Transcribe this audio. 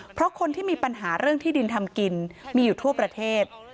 เพราะคนที่มีปัญหาเรื่องที่ดินทำกินมีอยู่ทั่วประเทศ